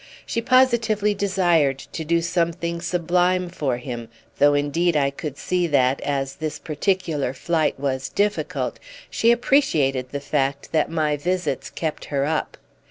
She positively desired to do something sublime for him, though indeed I could see that, as this particular flight was difficult, she appreciated the fact that my visits kept her up.